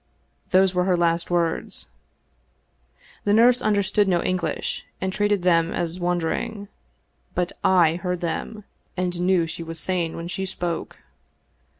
Those were her last words. The nurse understood no English, and treated them as wandering ; but / heard them, and knew she was sane when she spoke."